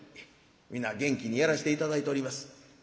「皆元気にやらして頂いております」。